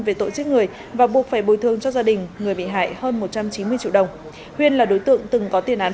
về tội giết người và buộc phải bồi thương cho gia đình người bị hại hơn một trăm chín mươi triệu đồng huyên là đối tượng từng có tiền án